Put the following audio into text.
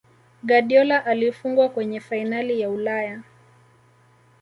Guardiola alifungwa kwenye fainali ya Ulaya